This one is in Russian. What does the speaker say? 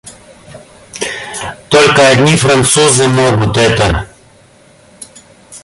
Только одни французы могут это.